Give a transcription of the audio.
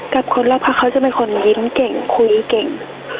กับคนรอบพักเขาจะเป็นคนยิ้มเก่งคุยเก่ง